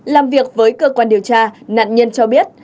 làm việc với cơ quan điều tra nạn nhân cho biết